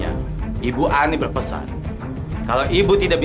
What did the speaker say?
yang berasal dari